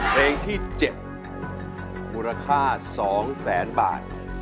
เพลงที่๗มูลค่า๒แสนบาท